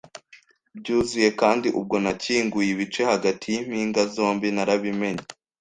byuzuye, kandi ubwo nakinguye ibice hagati yimpinga zombi, narabimenye